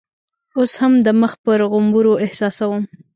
اوس هم د مخ پر غومبرو احساسوم.